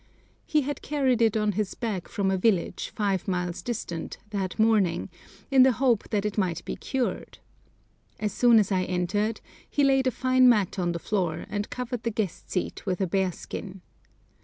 He had carried it on his back from a village, five miles distant, that morning, in the hope that it might be cured. As soon as I entered he laid a fine mat on the floor, and covered the guest seat with a bearskin.